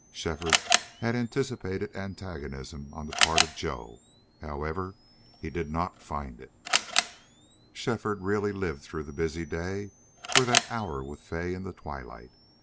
Shefford had anticipated antagonism on the part of Joe; however, he did not find it. Shefford really lived through the busy day for that hour with Fay in the twilight.